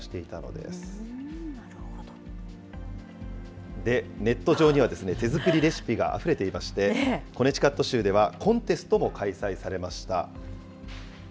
で、ネット上には、手作りレシピがあふれていまして、コネチカット州では、コンテストも開催されました。